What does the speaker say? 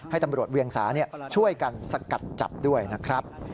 ตำรวจเวียงสาช่วยกันสกัดจับด้วยนะครับ